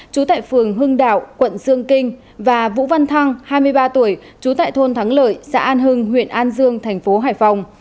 trú tại phường hưng đạo quận dương kinh và vũ văn thăng hai mươi ba tuổi trú tại thôn thắng lợi xã an hưng huyện an dương thành phố hải phòng